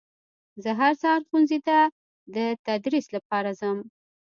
زه هر سهار ښوونځي ته در تدریس لپاره ځم